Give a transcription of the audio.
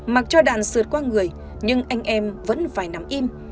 mặc cho đàn sượt qua người nhưng anh em vẫn phải nắm im